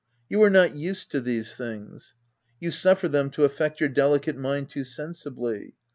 u You are not used to these things : you suffer them to affect your delicate mind too sensibly.